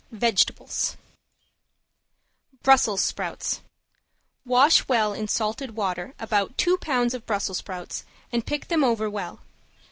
VEGETABLES ~BRUSSELS SPROUTS~ Wash well in salted water about two pounds of Brussels sprouts and pick them over well.